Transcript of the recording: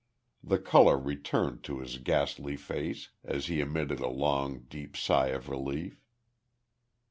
The colour returned to his ghastly face as he emitted a long deep sigh of relief.